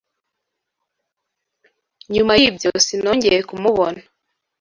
Nyuma yibyo, sinongeye kumubona.